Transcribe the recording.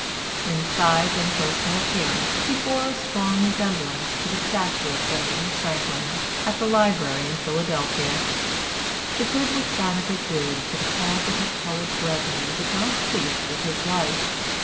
In size and personal appearance he bore a strong resemblance to the statue of Benjamin Franklin, at the Library in Philadelphia.'" The good which Banneker did to the cause of his colored brethren did not cease with his life.